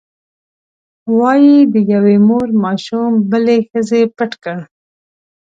وایي د یوې مور ماشوم بلې ښځې پټ کړ.